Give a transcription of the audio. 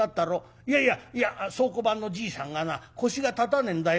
いやいやいや倉庫番のじいさんがな腰が立たねえんだよ。